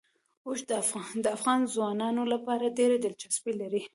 اوښ د افغان ځوانانو لپاره ډېره دلچسپي لري.